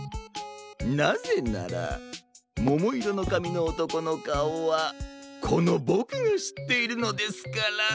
なぜならももいろのかみのおとこのかおはこのボクがしっているのですから。